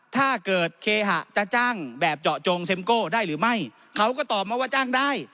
ถ้าเกิดเคหะจะจ้างแบบเจาะจงเซ็มโก้ได้หรือไม่เขาก็ตอบมาว่าจ้างได้